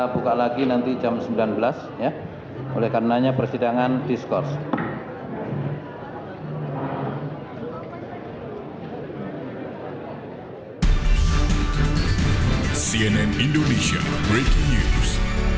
buka lagi nanti jam sembilan belas ya oleh karenanya persidangan diskos hai cnn indonesia breaking news